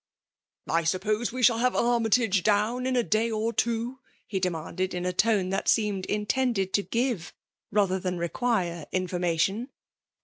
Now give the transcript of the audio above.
*' I suppose we shall have Armytage down in a day or two?" he demanded, in a tone that seemed intended to give rather than require information.